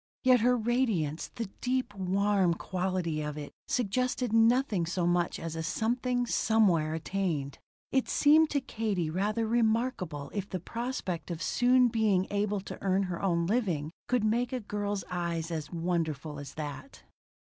Yet her radiance the deep, warm quality of it suggested nothing so much as a something somewhere attained. It seemed to Katie rather remarkable if the prospect of soon being able to earn her own living could make a girl's eyes as wonderful as that.